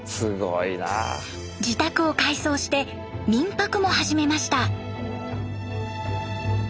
自宅を改装して民泊も始めました。